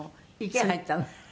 「池に入ったのね」